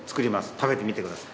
食べてみてください。